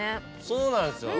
そうなんですよ。